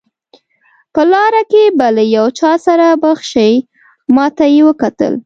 په لاره کې به له یو چا سره مخ شئ، ما ته یې وکتل.